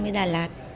đi đà lạt